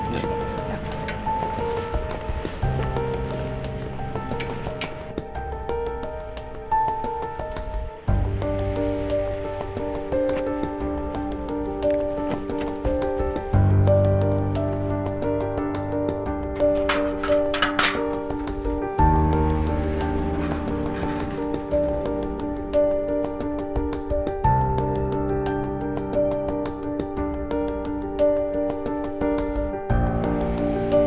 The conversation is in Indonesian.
perahi lagi aufbucht hiding